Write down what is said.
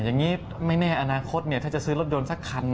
อย่างนี้ไม่แน่อนาคตถ้าจะซื้อรถยนต์สักคัน